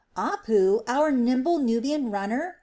"Apu, our nimble Nubian runner?"